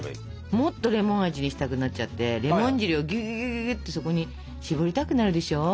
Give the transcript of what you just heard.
もっとレモン味にしたくなっちゃってレモン汁をギュギュギュギュギュっとそこに搾りたくなるでしょ。